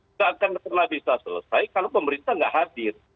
nggak akan pernah bisa selesai kalau pemerintah nggak hadir